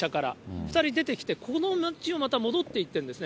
２人出てきて、この道をまた戻っていってるんですよね。